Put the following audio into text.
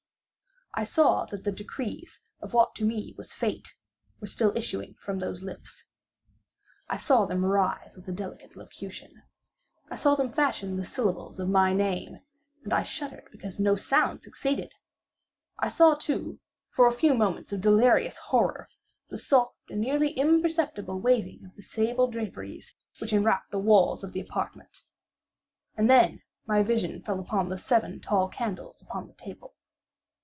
I saw that the decrees of what to me was Fate, were still issuing from those lips. I saw them writhe with a deadly locution. I saw them fashion the syllables of my name; and I shuddered because no sound succeeded. I saw, too, for a few moments of delirious horror, the soft and nearly imperceptible waving of the sable draperies which enwrapped the walls of the apartment. And then my vision fell upon the seven tall candles upon the table.